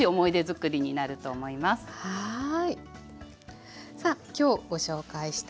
はい。